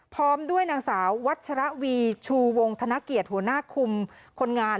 พร้อมด้วยนางสาววัชระวีชูวงธนเกียรติหัวหน้าคุมคนงาน